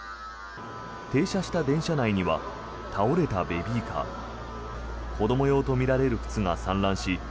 停車した電車内には倒れたベビーカー子ども用とみられる靴が散乱し